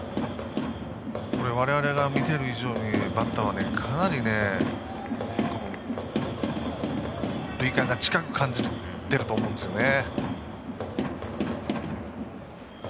これは我々が見ている以上にバッターはかなり塁間が近く感じていると思うんですよね。